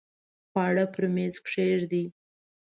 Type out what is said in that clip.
خواړه په میز کښېږدئ